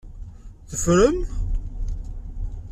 Teffrem?